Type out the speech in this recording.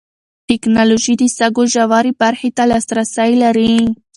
ټېکنالوژي د سږو ژورې برخې ته لاسرسی لري.